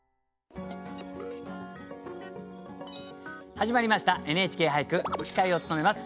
始まりました「ＮＨＫ俳句」司会を務めます